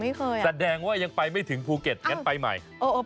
แสดงว่ายังไปไม่ถึงภูเก็ตงั้นไปใหม่